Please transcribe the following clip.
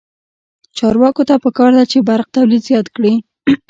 چارواکو ته پکار ده چې، برق تولید زیات کړي.